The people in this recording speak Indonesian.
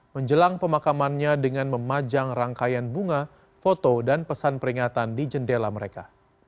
menjelang pemakamannya dengan memajang rangkaian bunga foto dan pesan peringatan di jendela mereka